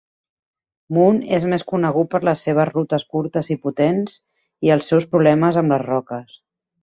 Moon és més conegut per les seves rutes curtes i potents, i els seus problemes amb les roques.